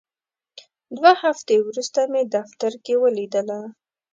دوه هفتې وروسته مې دفتر کې ولیدله.